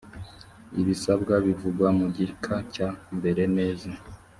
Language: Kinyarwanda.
ibisabwa bivugwa mu gika cya mbere neza.